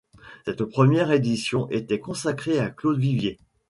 Cette première édition était consacrée à Claude Vivier.